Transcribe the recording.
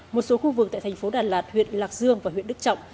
một số khu vực tại thành phố đà lạt huyện lạc dương và huyện đức trọng